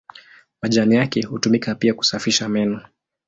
Majani yake hutumika pia kusafisha meno.